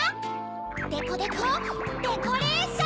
デコデコデコレーション！